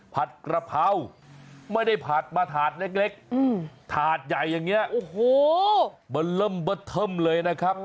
ผัดกระเพราไม่ได้ผัดมาถาดเล็กถาดใหญ่อย่างนี้โอ้โหเบอร์เริ่มเบอร์เทิมเลยนะครับ